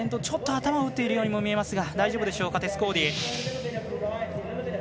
ちょっと頭を打っているように見えましたが大丈夫でしょうかテス・コーディ。